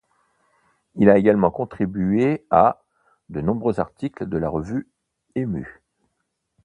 Il a également contribué à de nombreux articles de la revue Emu.